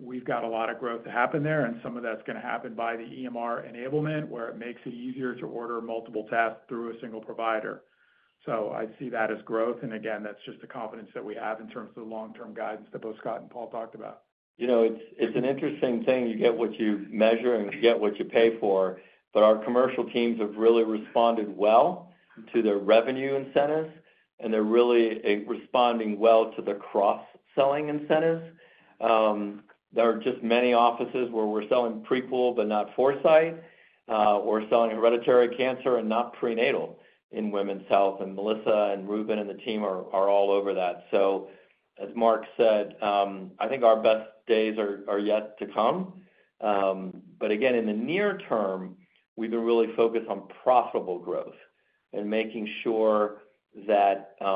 We've got a lot of growth to happen there, and some of that's going to happen by the EMR enablement, where it makes it easier to order multiple tests through a single provider. So I see that as growth, and again, that's just the confidence that we have in terms of the long-term guidance that both Scott and Paul talked about.
You know, it's an interesting thing. You get what you measure, and you get what you pay for. But our commercial teams have really responded well to the revenue incentives, and they're really responding well to the cross-selling incentives. There are just many offices where we're selling Prequel, but not Foresight, or selling hereditary cancer and not prenatal in women's health. And Melissa and Ruben and the team are all over that. So as Mark said, I think our best days are yet to come. But again, in the near term, we've been really focused on profitable growth and making sure that at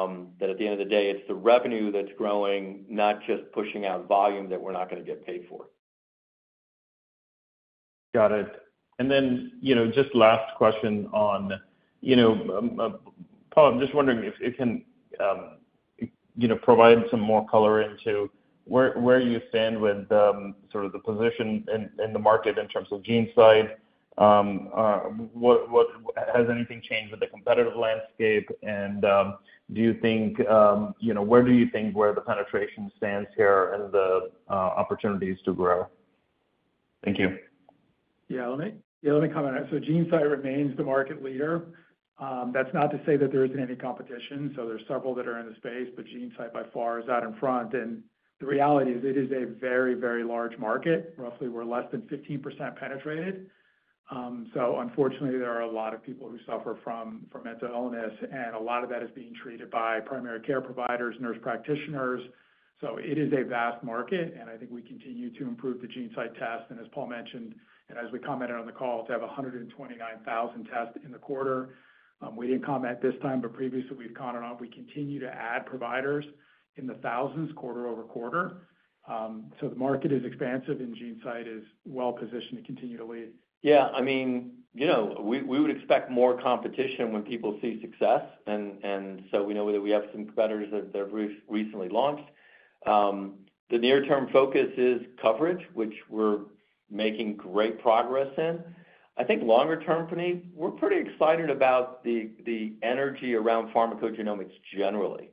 the end of the day, it's the revenue that's growing, not just pushing out volume that we're not going to get paid for.
Got it. And then, you know, just last question on, you know, Paul. I'm just wondering if you can, you know, provide some more color into where you stand with sort of the position in the market in terms of GeneSight. Has anything changed with the competitive landscape? And, do you think, you know, where do you think the penetration stands here and the opportunities to grow? Thank you.
Yeah, let me comment on it. So GeneSight remains the market leader. That's not to say that there isn't any competition. So there's several that are in the space, but GeneSight by far is out in front. And the reality is, it is a very, very large market. Roughly, we're less than 15% penetrated. So unfortunately, there are a lot of people who suffer from, from mental illness, and a lot of that is being treated by primary care providers, nurse practitioners. So it is a vast market, and I think we continue to improve the GeneSight test. And as Paul mentioned, and as we commented on the call, to have 129,000 tests in the quarter, we didn't comment this time, but previously, we've commented on, we continue to add providers in the thousands, quarter-over-quarter. The market is expansive, and GeneSight is well positioned to continue to lead.
Yeah, I mean, you know, we would expect more competition when people see success, and so we know that we have some competitors that have recently launched. The near-term focus is coverage, which we're making great progress in. I think longer term, Puneet, we're pretty excited about the energy around pharmacogenomics generally.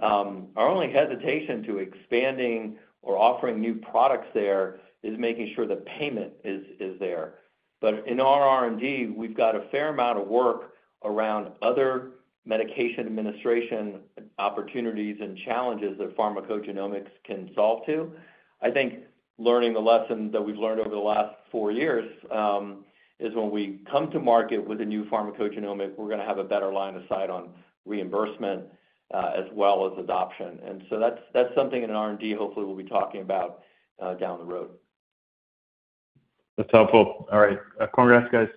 Our only hesitation to expanding or offering new products there is making sure the payment is there. But in our R&D, we've got a fair amount of work around other medication administration opportunities and challenges that pharmacogenomics can solve too. I think learning the lessons that we've learned over the last four years is when we come to market with a new pharmacogenomic, we're going to have a better line of sight on reimbursement, as well as adoption. That's something in R&D, hopefully we'll be talking about down the road.
That's helpful. All right. Congrats, guys.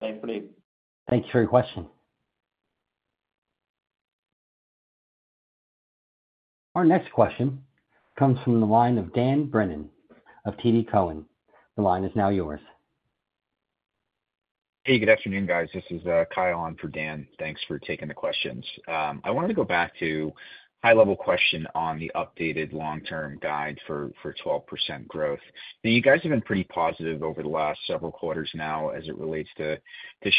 Thanks, Puneet.
Thank you for your question. Our next question comes from the line of Dan Brennan of TD Cowen. The line is now yours.
Hey, good afternoon, guys. This is Kyle on for Dan. Thanks for taking the questions. I wanted to go back to high-level question on the updated long-term guide for 12% growth. Now, you guys have been pretty positive over the last several quarters now as it relates to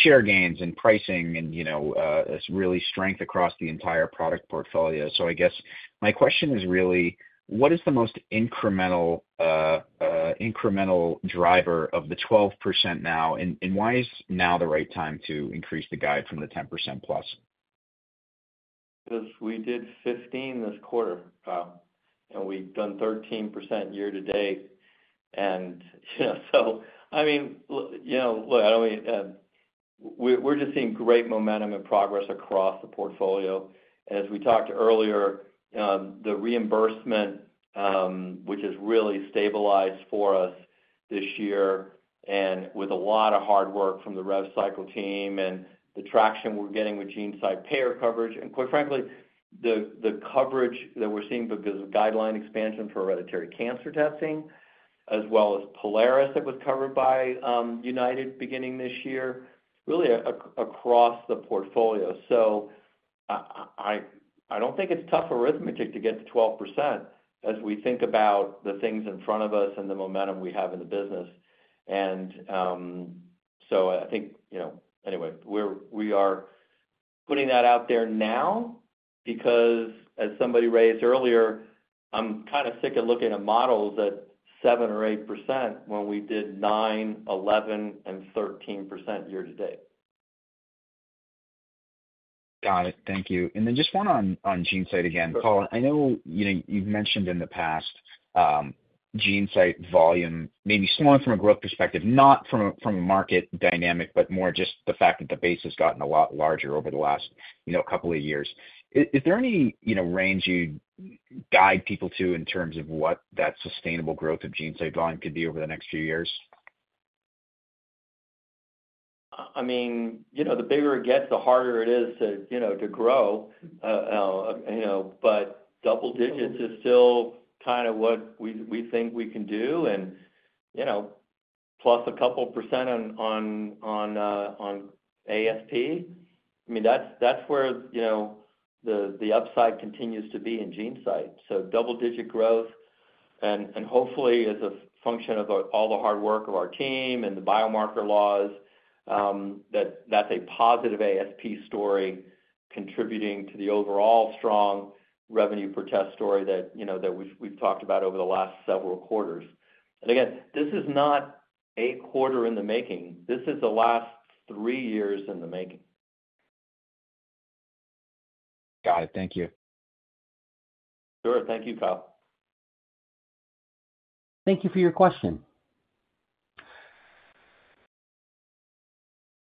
share gains and pricing and, you know, really strength across the entire product portfolio. So I guess my question is really: What is the most incremental driver of the 12% now, and why is now the right time to increase the guide from the 10% plus?
Because we did 15 this quarter, Kyle, and we've done 13% year to date. And so, I mean, look, you know, I mean, we're, we're just seeing great momentum and progress across the portfolio. As we talked earlier, the reimbursement, which has really stabilized for us this year, and with a lot of hard work from the rev cycle team and the traction we're getting with GeneSight payer coverage, and quite frankly, the, the coverage that we're seeing because of guideline expansion for hereditary cancer testing, as well as Prolaris, that was covered by, United beginning this year, really across the portfolio. So I, I, I don't think it's tough arithmetic to get to 12% as we think about the things in front of us and the momentum we have in the business. And, so I think, you know. Anyway, we are putting that out there now because, as somebody raised earlier, I'm kind of sick of looking at models at 7% or 8% when we did 9%, 11%, and 13% year to date.
Got it. Thank you. And then just one on GeneSight again. Paul, I know, you know, you've mentioned in the past, GeneSight volume, maybe slowing from a growth perspective, not from a market dynamic, but more just the fact that the base has gotten a lot larger over the last, you know, couple of years. Is there any, you know, range you'd guide people to in terms of what that sustainable growth of GeneSight volume could be over the next few years?
I mean, you know, the bigger it gets, the harder it is to, you know, to grow. You know, but double digits is still kind of what we think we can do and, you know, plus a couple % on, on, on, uh, on ASP. I mean, that's where, you know, the upside continues to be in GeneSight. So double-digit growth and, hopefully, as a function of all the hard work of our team and the biomarker laws, that, that's a positive ASP story contributing to the overall strong revenue per test story that, you know, that we've talked about over the last several quarters. And again, this is not a quarter in the making. This is the last three years in the making.
Got it. Thank you.
Sure. Thank you, Kyle.
Thank you for your question.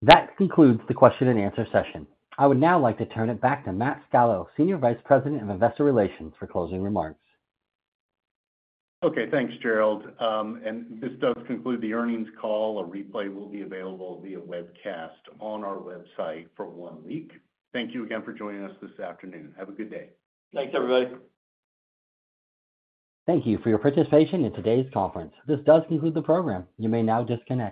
That concludes the question and answer session. I would now like to turn it back to Matt Scalo, Senior Vice President of Investor Relations, for closing remarks.
Okay, thanks, Gerald. This does conclude the earnings call. A replay will be available via webcast on our website for one week. Thank you again for joining us this afternoon. Have a good day.
Thanks, everybody.
Thank you for your participation in today's conference. This does conclude the program. You may now disconnect.